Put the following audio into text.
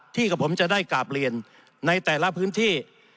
กับผมจะได้กราบเรียนในแต่ละพื้นที่